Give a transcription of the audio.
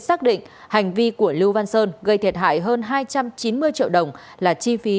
xác định hành vi của lưu văn sơn gây thiệt hại hơn hai trăm chín mươi triệu đồng là chi phí